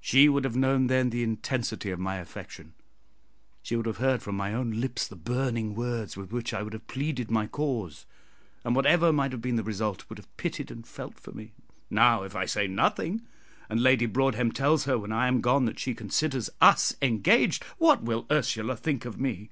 She would have known then the intensity of my affection, she would have heard from my own lips the burning words with which I would have pleaded my cause, and, whatever might have been the result, would have pitied and felt for me. Now, if I say nothing, and Lady Broadhem tells her when I am gone that she considers us engaged, what will Ursula think of me?